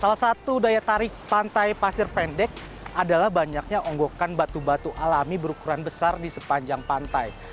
salah satu daya tarik pantai pasir pendek adalah banyaknya onggokan batu batu alami berukuran besar di sepanjang pantai